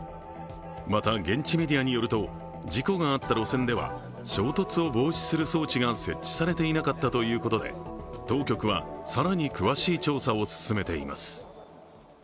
また、現地メディアによると事故があった路線では衝突を防止する装置が設置されていなかったということで当局は更に詳しい調査を進めています。